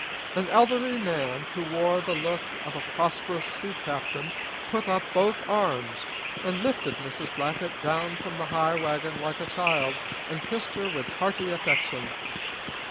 An elderly man who wore the look of a prosperous sea captain put up both arms and lifted Mrs. Blackett down from the high wagon like a child, and kissed her with hearty affection.